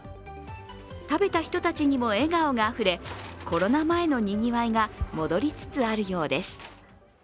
食べた人たちにも笑顔があふれコロナ前の賑わいが戻りつつあるようです。